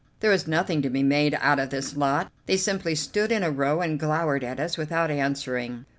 There was nothing to be made out of this lot; they simply stood in a row and glowered at us without answering.